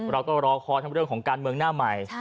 เราก็รอคอยทั้งเรื่องของการเมืองหน้าใหม่